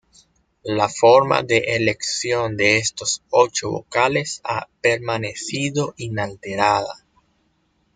La forma de elección de estos ocho vocales ha permanecido inalterada.